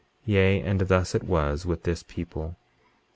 Yea, and thus it was with this people.